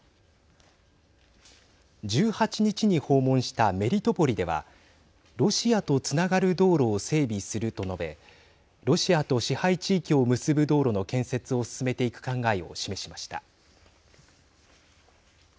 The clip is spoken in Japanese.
１８日に訪問したメリトポリではロシアとつながる道路を整備すると述べロシアと支配地域を結ぶ道路の建設を進めていく考えを示しました。